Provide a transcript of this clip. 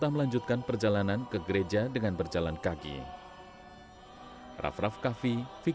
melanjutkan perjalanan ke gereja dengan berjalan kaki